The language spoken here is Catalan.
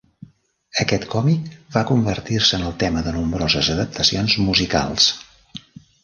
Aquest còmic va convertir-se en el tema de nombroses adaptacions musicals.